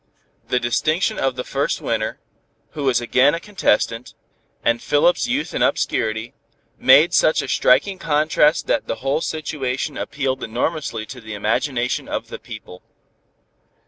The distinction of the first winner, who was again a contestant, and Philip's youth and obscurity, made such a striking contrast that the whole situation appealed enormously to the imagination of the people.